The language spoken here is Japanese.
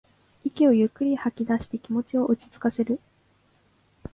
息をゆっくりと吐きだして気持ちを落ちつかせる